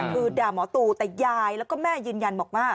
คือด่าหมอตูแต่ยายแล้วก็แม่ยืนยันบอกว่า